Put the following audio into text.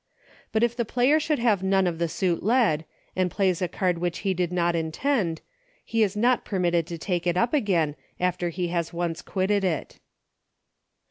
But if the player should have none of the suit led, and plays a card which he did not intend, he is not permitted to take it up again after he has once quitted it.